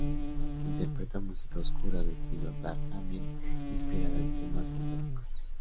Interpreta música oscura, de estilo "dark ambient", inspirada en temas fantásticos.